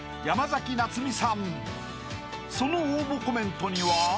［その応募コメントには］